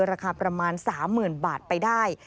ราคาประมาณ๓๐๐๐บาทไปได้